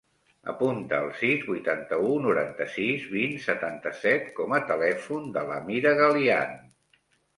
Apunta el sis, vuitanta-u, noranta-sis, vint, setanta-set com a telèfon de l'Amira Galian.